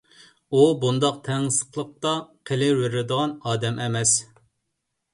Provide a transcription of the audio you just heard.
ئۇ بۇنداق تەڭقىسلىقتا قېلىۋېرىدىغان ئادەم ئەمەس.